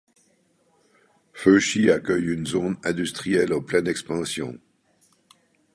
Feuchy accueille une zone industrielle en pleine expansion.